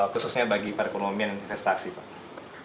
khususnya bagi perekonomian investasi pak